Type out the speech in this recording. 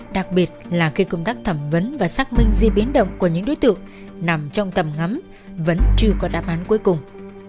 đặc biệt là khi công tác thẩm vấn và xác minh di biến động của những đối tượng nằm trong tầm ngắm vẫn chưa có đáp án cuối cùng